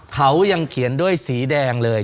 เขายังเขียนด้วยสีแดงเลย